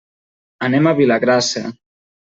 Anem a Vilagrassa.